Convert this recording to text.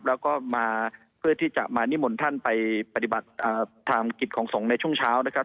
แล้วก็มาเพื่อที่จะมานิมนต์ท่านไปปฏิบัติธรรมกิจของสงฆ์ในช่วงเช้านะครับ